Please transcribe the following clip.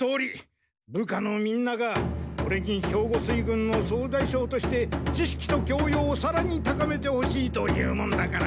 部下のみんながオレに兵庫水軍の総大将として知識と教養をさらに高めてほしいと言うもんだから。